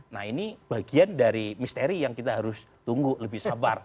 nah ini bagian dari misteri yang kita harus tunggu lebih sabar